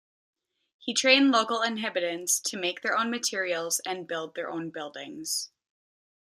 He trained local inhabitants to make their own materials and build their own buildings.